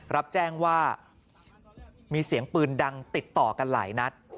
รับแจ้งว่ามีเสียงปืนดังติดต่อกันหลายนัด